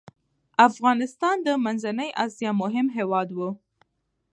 افغانستان د منځنی اسیا مهم هیواد و.